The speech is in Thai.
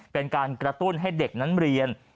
เป็นการกระตุ้นให้เด็กนั้นเรียน